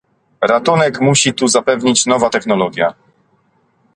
Ratunek musi tu zapewnić nowa technologia